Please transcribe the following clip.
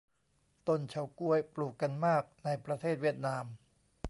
ต้นเฉาก๊วย ปลูกกันมากในประเทศเวียดนาม